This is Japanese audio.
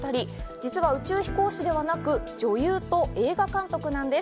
実は宇宙飛行士ではなく、女優と映画監督なんです。